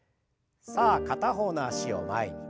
さあ片方の脚を前に。